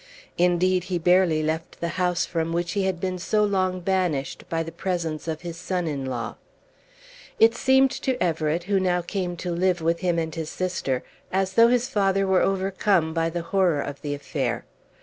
Indeed, he barely left the house from which he had been so long banished by the presence of his son in law. It seemed to Everett, who now came to live with him and his sister, as though his father were overcome by the horror of the affair.